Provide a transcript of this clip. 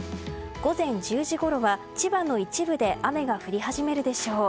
午前１０時ごろは千葉の一部で雨が降り始めるでしょう。